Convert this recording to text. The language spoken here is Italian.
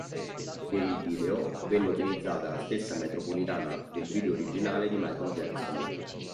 Per il video venne usata la stessa metropolitana del video originale di Michael Jackson.